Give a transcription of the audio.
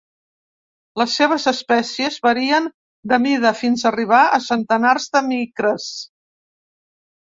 Les seves espècies varien de mida fins arribar a centenars de micres.